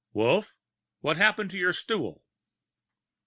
"Wolf, what happened to your stool?"